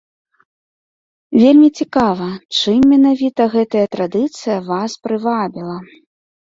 Вельмі цікава, чым менавіта гэтая традыцыя вас прывабіла?